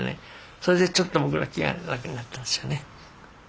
それでちょっと僕ら気が楽になったんですよね。